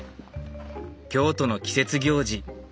京都の季節行事